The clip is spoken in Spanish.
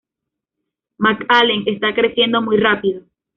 McAllen está creciendo muy rápido.